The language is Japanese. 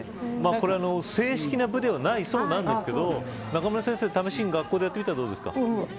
これは、正式な部ではないそうなんですが中村先生、試しに学校でやってみたらどうですか。